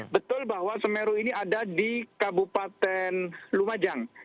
betul bahwa semeru ini ada di kabupaten lumajang